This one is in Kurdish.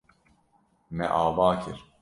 Me ava kir.